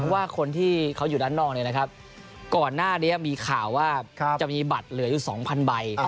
ว่าคนที่เขาอยู่ด้านนอกก่อนหน้านี้มีข่าวว่าจะมีบัตรเหลืออยู่๒๐๐ใบ